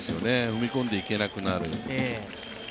踏み込んでいけなくなる。